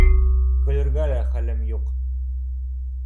Көлөргә лә хәлем юҡ